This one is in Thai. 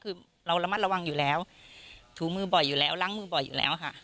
คือเราระมัดระวังอยู่แล้วถูมือบ่อยอยู่แล้วล้างมือบ่อยอยู่แล้วค่ะ